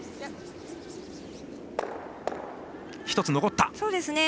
１つ残った！